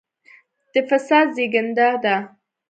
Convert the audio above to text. د فساد زېږنده ده.